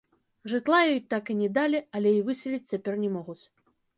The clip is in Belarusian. Жытла ёй так і не далі, але і выселіць цяпер не могуць.